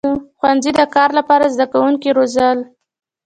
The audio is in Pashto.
• ښوونځي د کار لپاره زدهکوونکي روزل.